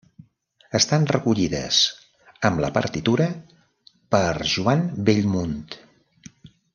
Estan recollides, amb la partitura, per Joan Bellmunt.